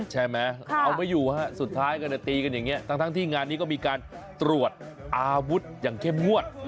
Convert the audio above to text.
ใช่ไหมเอาไม่อยู่ฮะสุดท้ายก็เลยตีกันอย่างนี้ทั้งที่งานนี้ก็มีการตรวจอาวุธอย่างเข้มงวด